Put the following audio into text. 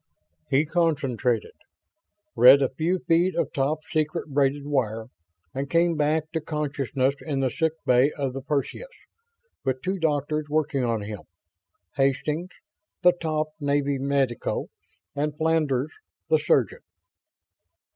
He concentrated read a few feet of top secret braided wire and came back to consciousness in the sickbay of the Perseus, with two doctors working on him; Hastings, the top Navy medico, and Flandres, the surgeon.